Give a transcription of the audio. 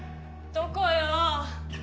どこよ。